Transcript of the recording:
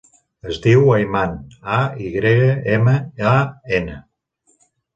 Es diu Ayman: a, i grega, ema, a, ena.